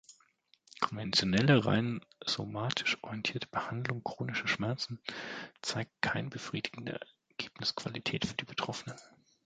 Konventionelle, rein somatisch orientierte Behandlung chronischer Schmerzen zeigt keine befriedigende Ergebnisqualität für die Betroffenen.